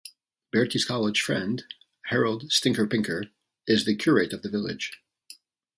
Bertie's college friend, Harold 'Stinker' Pinker, is the curate of the village.